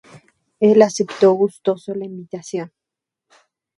Él aceptó gustoso la invitación.